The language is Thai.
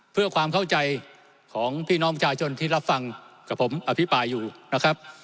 เพื่อความเข้าใจของพี่น้องประชาชนที่รับฟังกับผมอภิปรายอยู่นะครับ